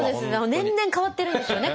年々変わってるんですよね